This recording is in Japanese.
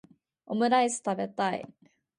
オムライス食べたい